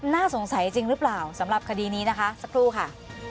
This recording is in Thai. น่าสงสัยจริงหรือเปล่าสำหรับคดีนี้นะคะสักครู่ค่ะ